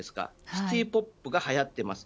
シティポップが流行っています。